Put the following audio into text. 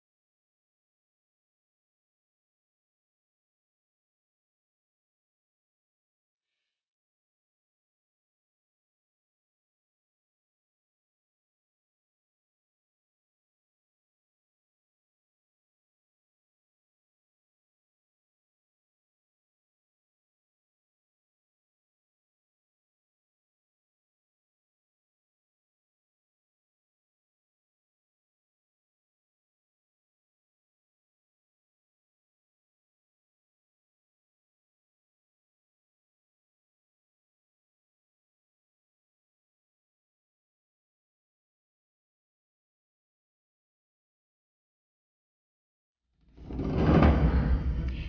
saya sudah senang sekali